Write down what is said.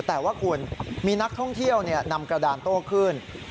แต่ว่าคุณมีนักท่องเที่ยวนำกระดานโต้ขึ้น